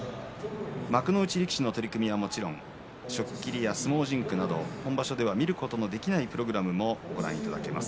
幕内力士の取組はもちろん初っ切りや相撲甚句など本場所では見ることのできないプログラムもご覧いただけます。